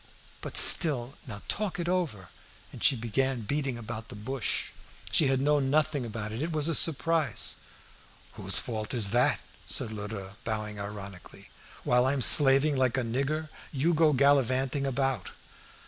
"But still, now talk it over." And she began beating about the bush; she had known nothing about it; it was a surprise. "Whose fault is that?" said Lheureux, bowing ironically. "While I'm slaving like a nigger, you go gallivanting about."